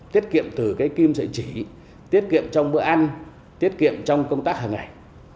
tiết kiệm từ cái kim sợi chỉ tiết kiệm trong bữa ăn tiết kiệm trong công tác hàng ngày